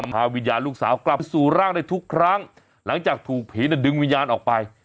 พาวิญญาณลูกสาวกลับสู่ร่างได้ทุกครั้งหลังจากถูกผีดึงวิญญาณออกไป